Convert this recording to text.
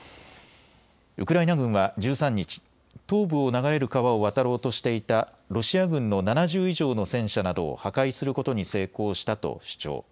ウクライナ軍は１３日、東部を流れる川を渡ろうとしていたロシア軍の７０以上の戦車などを破壊することに成功したと主張。